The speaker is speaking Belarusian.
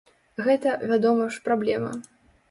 Гэта, вядома ж, праблема.